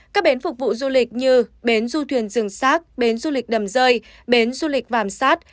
các bến phục vụ du lịch như bến du thuyền rừng sát bến du lịch đầm rơi bến du lịch vàm sát